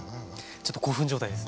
ちょっと興奮状態ですね！